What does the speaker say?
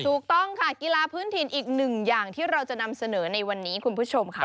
ถูกต้องค่ะกีฬาพื้นถิ่นอีกหนึ่งอย่างที่เราจะนำเสนอในวันนี้คุณผู้ชมค่ะ